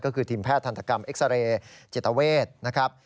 ก็คือทีมแพทย์ทันตกรรมเอ็กซาเรย์จิตเวทนะครับ